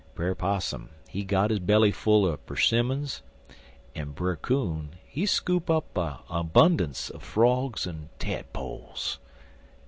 Brer Possum, he got his belly full er 'simmons, en Brer Coon, he scoop up a 'bunnunce er frogs en tadpoles.